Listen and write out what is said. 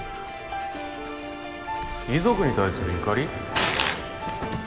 遺族に対する怒り？